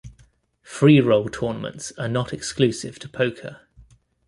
Freeroll tournaments are not exclusive to poker.